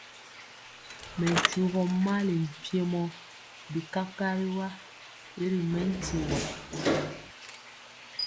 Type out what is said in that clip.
Mɛ tyugɔ mali mpiemɔ bi kakariwa y ri mɛntiwɔ.